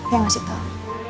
yang ngasih tau